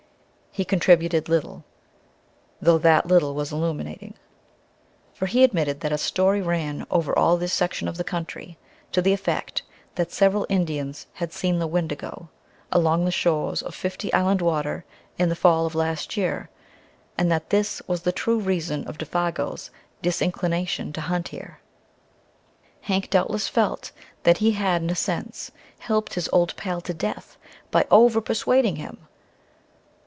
He contributed little, though that little was illuminating. For he admitted that a story ran over all this section of country to the effect that several Indians had "seen the Wendigo" along the shores of Fifty Island Water in the "fall" of last year, and that this was the true reason of Défago's disinclination to hunt there. Hank doubtless felt that he had in a sense helped his old pal to death by overpersuading him.